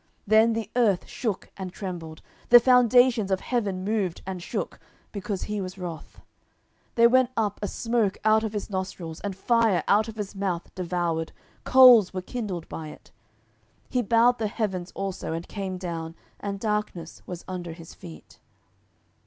10:022:008 Then the earth shook and trembled; the foundations of heaven moved and shook, because he was wroth. 10:022:009 There went up a smoke out of his nostrils, and fire out of his mouth devoured: coals were kindled by it. 10:022:010 He bowed the heavens also, and came down; and darkness was under his feet.